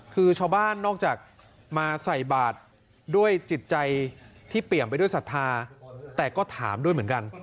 คือชาวบ้านนอกจากมาใส่บาทด้วยจิตใจที่เปี่ยมไปด้วยศรัทธาแต่ก็ถามด้วยเหมือนกัน